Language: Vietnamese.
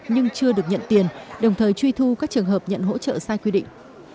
nhưng chưa được nhận tiền đồng thời truy thu các trường hợp nhận hỗ trợ sai quy định